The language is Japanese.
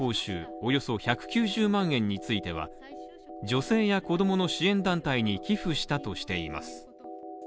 およそ１９０万円については、女性や子供の支援団体に寄付したとしています。